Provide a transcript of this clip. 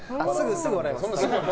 すぐ笑います。